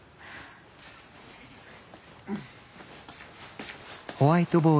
失礼します。